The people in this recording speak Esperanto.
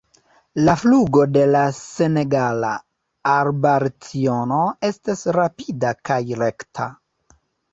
La flugo de la Senegala arbalciono estas rapida kaj rekta.